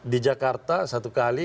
di jakarta satu kali